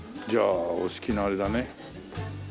じゃあお好きなあれだね。